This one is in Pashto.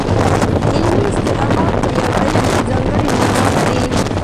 علمي اصطلاحات په یو علم کې ځانګړې مانا لري